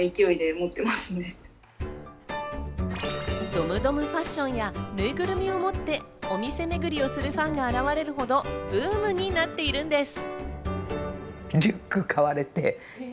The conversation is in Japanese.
ドムドムファッションやぬいぐるみを持ってお店めぐりをするファンが現れるほど、ブームになっているんです。